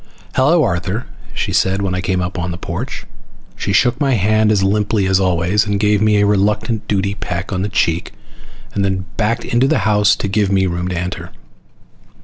"Hello, Arthur," she said when I came up on the porch. She shook my hand as limply as always, and gave me a reluctant duty peck on the cheek, then backed into the house to give me room to enter.